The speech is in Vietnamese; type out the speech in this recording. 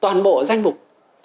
toàn bộ ở danh mục